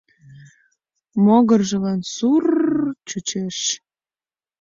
Могыржылан су-ур-р чучеш.